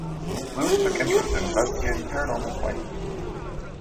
Lewis took interest in investigating paranormal claims.